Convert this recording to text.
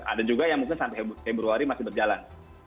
ada juga yang mungkin sampai februari masih berjalan